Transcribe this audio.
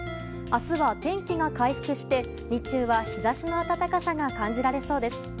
明日は天気が回復して日中は日差しの暖かさが感じられそうです。